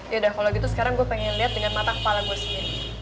yaudah kalau gitu sekarang gue pengen lihat dengan mata kepala gue sendiri